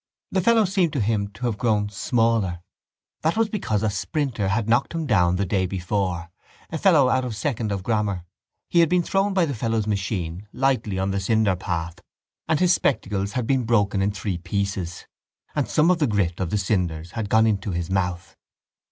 The fellows seemed to him to have grown smaller: that was because a sprinter had knocked him down the day before, a fellow out of second of grammar. He had been thrown by the fellow's machine lightly on the cinderpath and his spectacles had been broken in three pieces and some of the grit of the cinders had gone into his mouth.